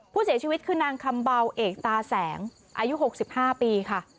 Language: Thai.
ผู้เสียชีวิตคือนางคำเบาเอกตาแสงอายุ๖๕ปีค่ะ